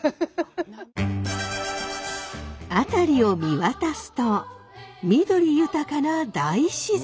辺りを見渡すと緑豊かな大自然！